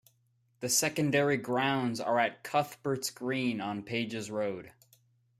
The secondary grounds are at Cuthberts Green on Pages Road.